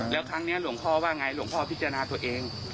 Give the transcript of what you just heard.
แล้วครั้งนี้หลวงพ่อว่าไงหลวงพ่อพิจารณาตัวเอง